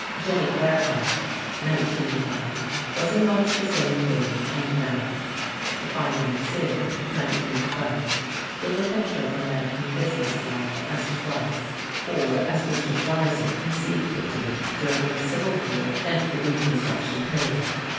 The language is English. "Jennie Gerhardt" (1911) was in much the same vein and manner. "The Financier" (1912) gave a picture of American business life as it was or as Mr. Dreiser conceived it to be during the Civil War and the Reconstruction Period.